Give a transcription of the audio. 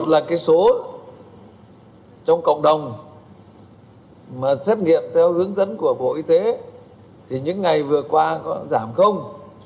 là cái số trong cộng đồng mà xét nghiệm theo hướng dẫn của bộ y tế thì những ngày vừa qua có giảm không